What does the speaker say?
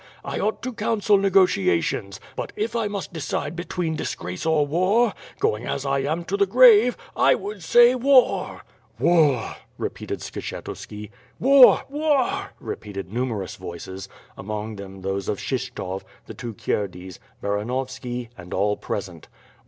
1 ought to counsel negotiations, but if I must decide between disgrace or war, going as 1 am to the grave, I would say War!" "War!" repeated Skshetuski. "War! War!" repeated numerous voices, among them those of Kshyshtof, the two Kierdeys, Baranovski, and all present.